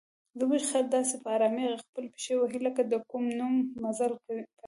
زموږ خر داسې په آرامۍ خپلې پښې وهي لکه د کوم نوي مزل پیل.